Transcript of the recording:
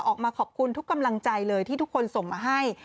ออกมาขอบคุณทุกกำลังใจเลยที่ทุกคนส่งมาให้